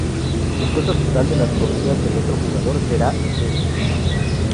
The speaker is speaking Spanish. Que el costo total de las comidas del otro jugador sea "x".